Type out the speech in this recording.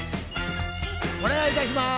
お願いいたします。